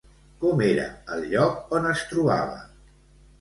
Com era el lloc on es trobava?